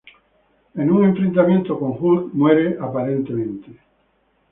En un enfrentamiento con Hulk, muere aparentemente.